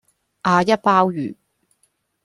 阿一鮑魚